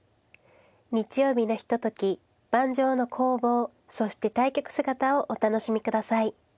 日曜日のひととき盤上の攻防そして対局姿をお楽しみ下さい。